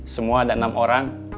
semua ada enam orang